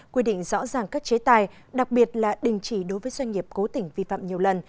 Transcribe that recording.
quy định rõ ràng các chế tài đặc biệt là đình chỉ đối với doanh nghiệp cố tỉnh vi phạm nhiều lần